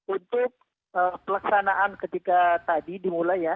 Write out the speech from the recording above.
untuk pelaksanaan ketika tadi dimulai ya